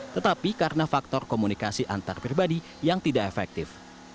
tetapi karena faktor komunikasi antar pribadi yang tidak efektif